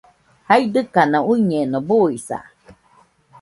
jaidɨkaka uiñeno, buisa